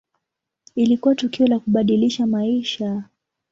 Ilikuwa tukio la kubadilisha maisha.